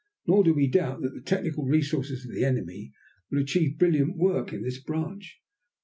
Nor do we doubt that the technical resources of the enemy will achieve brilliant work in this branch.